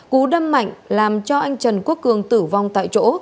cú đâm mạnh làm cho anh trần quốc cường tử vong tại chỗ